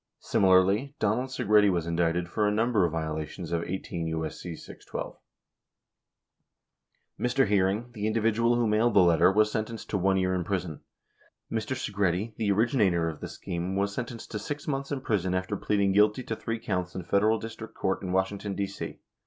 Similarly, Donald Segretti was indicted for a number of violations of 18 U.S.C. 612. Mr. Hearing, the individual who mailed the letter, was sentenced to 1 year in prison. Mr. Segretti, the originator of the scheme, was sentenced to 6 months in prison after pleading guilty to three counts 69 in Federal District Court in Washington, D.C.